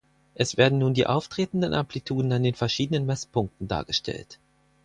Es werden nun die auftretenden Amplituden an den verschiedenen Messpunkten dargestellt.